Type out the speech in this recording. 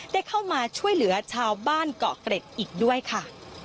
ได้เข้ามาช่วยเหลือชาวบ้านเกาะเกร็ดอีกด้วยค่ะ